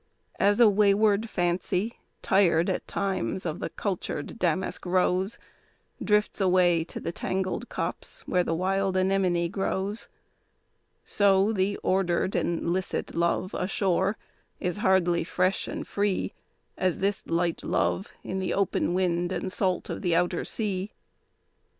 As a wayward Fancy, tired at times, of the cultured Damask Rose, Drifts away to the tangled copse, where the wild Anemone grows; So the ordered and licit love ashore, is hardly fresh and free As this light love in the open wind and salt of the outer sea.